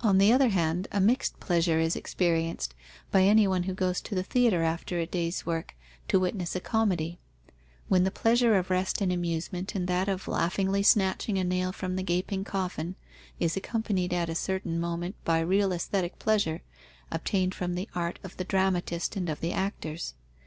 On the other hand, a mixed pleasure is experienced by any one who goes to the theatre, after a day's work, to witness a comedy: when the pleasure of rest and amusement, and that of laughingly snatching a nail from the gaping coffin, is accompanied at a certain moment by real aesthetic pleasure, obtained from the art of the dramatist and of the actors.